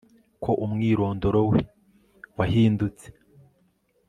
ko umwirondoro we wahindutse